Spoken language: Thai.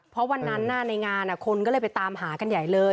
เพราะวันนั้นในงานคนก็เลยไปตามหากันใหญ่เลย